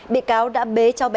bị cáo đã bế cháu bé